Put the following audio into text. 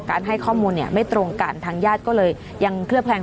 ให้ข้อมูลเนี่ยไม่ตรงกันทางญาติก็เลยยังเคลือบแคลง